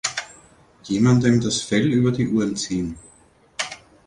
jemandem das Fell über die Ohren ziehen